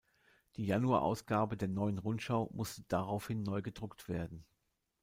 Die Januarausgabe der Neuen Rundschau musste daraufhin neu gedruckt werden.